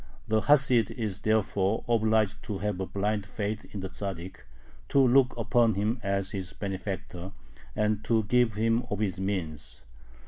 The Hasid is therefore obliged to have blind faith in the Tzaddik, to look upon him as his benefactor, and to give him of his means.